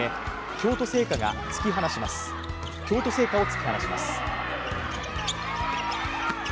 京都精華を突き放します。